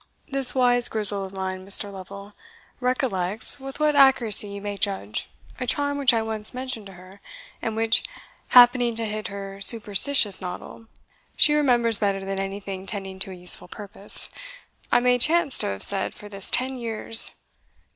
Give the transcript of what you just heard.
This wise Grizel of mine, Mr. Lovel, recollects (with what accuracy you may judge) a charm which I once mentioned to her, and which, happening to hit her superstitious noddle, she remembers better than anything tending to a useful purpose, I may chance to have said for this ten years.